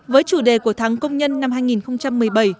với chủ đề của tháng công nhân năm hai nghìn một mươi bảy